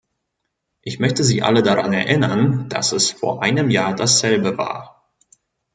Ich möchte Sie alle daran erinnern, dass es vor einem Jahr dasselbe war.